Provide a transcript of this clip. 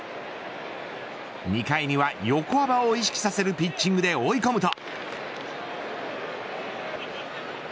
２回には横幅を意識させるピッチングで追い込むと。